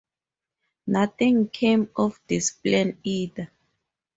Nothing came of this plan either.